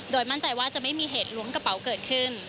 มั่นใจว่าจะไม่มีเหตุล้วงกระเป๋าเกิดขึ้น